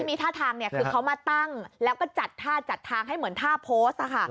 มีท่าทางคือเขามาตั้งแล้วก็จัดท่าจัดทางให้เหมือนท่าโพสต์